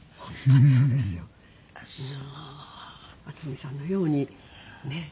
渥美さんのようにね。